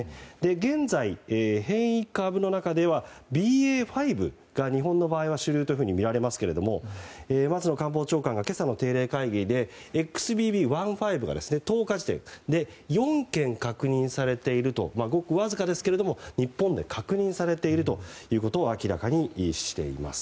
現在、変異株の中ではＢＡ．５が日本の場合は主流とみられますが松野官房長官が今朝の定例会見でＸＢＢ．１．５が１０日時点で４件確認されているとごくわずかですが日本でも確認されていることを明らかにしています。